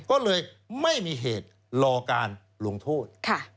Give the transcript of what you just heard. ก็เลยไม่มีเหตุรอการลงโทษ